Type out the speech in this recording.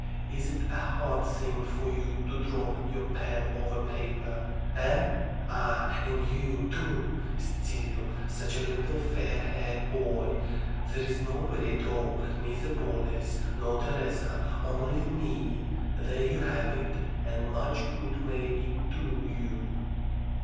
Is it a hard thing for you to draw your pen over paper? Eh? Ah, and you, too! Still such a little fair haired boy! There's nobody at all, neither Boles, nor Teresa, only me. There you have it, and much good may it do you!"